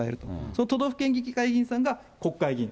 その都道府県議会員さんたちが国会議員を。